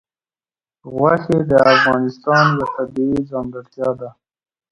غوښې د افغانستان یوه طبیعي ځانګړتیا ده.